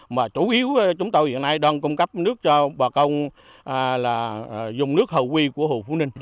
mà chủ yếu chúng tôi hiện nay đang cung cấp nước cho bà công là dùng nước hầu quy của hồ phú ninh